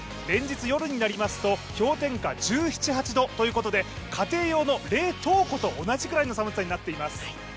連日、夜になりますと氷点下１７１８度ということで家庭用の冷凍庫と同じくらいの寒さになっています。